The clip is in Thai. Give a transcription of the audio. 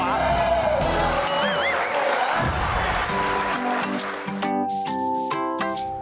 เฮ่ย